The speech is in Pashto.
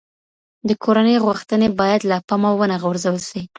د کورنۍ غوښتنې باید له پامه ونه غورځول سی.